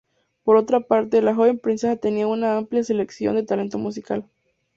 Por otra parte, la joven princesa tenía una amplia selección de talento musical.